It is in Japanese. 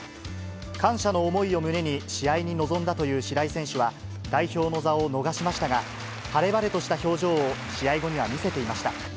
感謝の思いを胸に、試合に臨んだという白井選手は、代表の座を逃しましたが、晴れ晴れとした表情を試合後には見せていました。